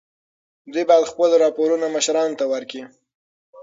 دوی باید خپل راپورونه مشرانو ته ورکړي.